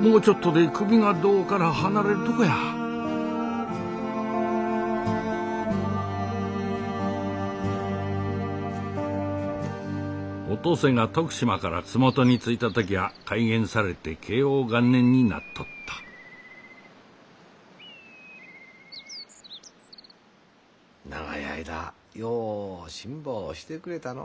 もうちょっとで首が胴から離れるとこやお登勢が徳島から洲本に着いた時は改元されて慶応元年になっとった長い間よう辛抱してくれたのう。